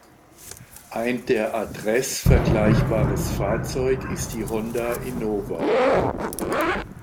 Ein der "Address" vergleichbares Fahrzeug ist die Honda Innova.